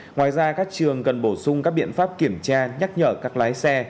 ngoài ra các trường cần bổ sung các biện pháp kiểm tra nhắc nhở các lái xe